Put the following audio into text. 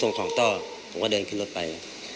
ผมก็เดินขึ้นรถไป